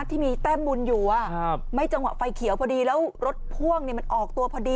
ที่มีแต้มบุญอยู่ไม่จังหวะไฟเขียวพอดีแล้วรถพ่วงมันออกตัวพอดี